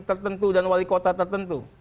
tertentu dan wali kota tertentu